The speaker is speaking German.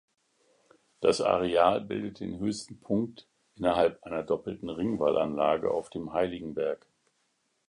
Das Areal bildet den höchsten Punkt innerhalb einer doppelten Ringwallanlage auf dem Heiligenberg.